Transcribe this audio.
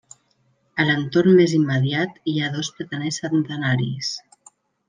A l'entorn més immediat hi ha dos plataners centenaris.